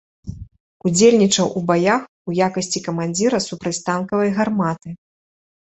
Удзельнічаў у баях у якасці камандзіра супрацьтанкавай гарматы.